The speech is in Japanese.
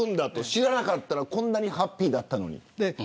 知らなかったらこんなにハッピーだったのに。